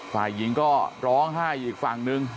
ฝ่ายหญิงก็ร้องไห้อีกฝั่งนึง